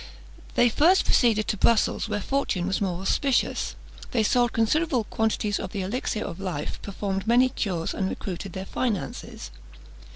They first proceeded to Brussels, where fortune was more auspicious. They sold considerable quantities of the elixir of life, performed many cures, and recruited their finances.